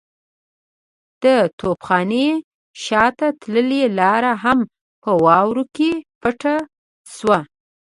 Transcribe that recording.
د توپخانې شاته تللې لار هم په واورو کې پټه شوه.